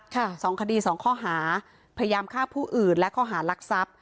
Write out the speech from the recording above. ใช่๒คดี๒ข้อหาพยายามฆ่าผู้อื่นและข้อหารักษัพ